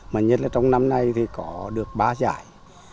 mà nhất là trong năm nay thì có được ba giải